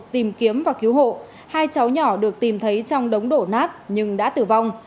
tìm kiếm và cứu hộ hai cháu nhỏ được tìm thấy trong đống đổ nát nhưng đã tử vong